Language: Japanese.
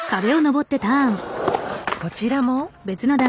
こちらも。